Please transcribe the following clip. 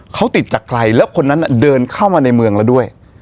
เขาติดจากใครแล้วคนนั้นเดินเข้ามาในเมืองแล้วด้วย